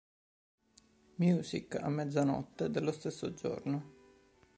Music a mezzanotte dello stesso giorno.